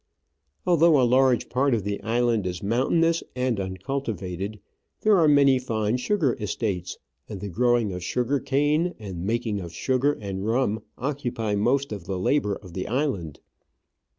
Although a large part of the island is mountainous and uncultivated, there are many fine sugar estates, and the growing of sugar cane and making of sugar and rum occupy most of the labour of the island.